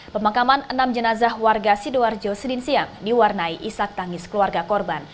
pemakaman enam jenazah warga sidoarjo senin siang diwarnai isak tangis keluarga korban